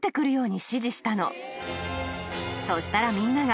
そしたらみんなが。